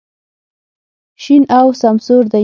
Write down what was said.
شین او سمسور دی.